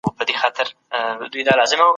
د حق په لاره کي تل ثابت پاتې شئ.